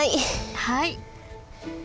はい。